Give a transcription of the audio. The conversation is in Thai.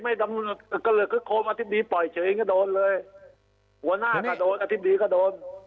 หัวหน้าก็โดนอธิบดีก็โดน